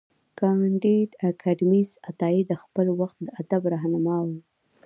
کانديد اکاډميسن عطايي د خپل وخت د ادب رهنما و.